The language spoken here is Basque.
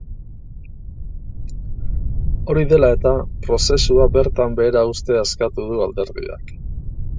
Hori dela eta, prozesua bertan behera uztea eskatu du alderdiak.